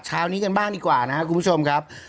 เช้านี้กันบ้างดีกว่านะครับคุณผู้ชมครับ